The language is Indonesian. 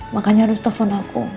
makanya harus telpon aku